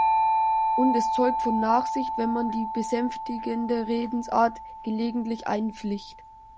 Und es zeugt von Nachsicht, wenn man die besänftigende Redensart "gelegentlich" einflicht.